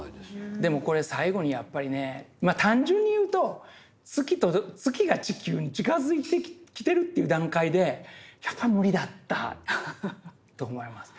でもこれ最後にやっぱりねまあ単純に言うと月が地球に近づいてきてるという段階でやっぱり無理だったと思いますね。